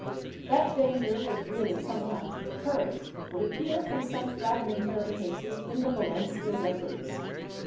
^ That danger was really sometimes incurred would appear from some fragmentary cases in the Valencia records.